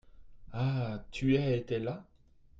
Ah ! Tu es étais là ?